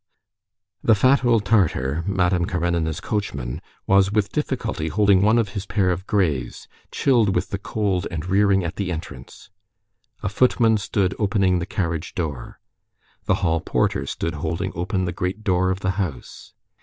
The fat old Tatar, Madame Karenina's coachman, was with difficulty holding one of her pair of grays, chilled with the cold and rearing at the entrance. A footman stood opening the carriage door. The hall porter stood holding open the great door of the house.